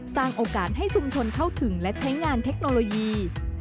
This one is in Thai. สร้างโอกาสให้ชุมชนเข้าถึงและใช้งานเทคโนโลยี